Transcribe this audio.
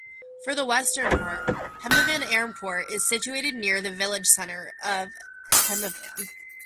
For the western part, Hemavan Airport is situated near the village centre of Hemavan.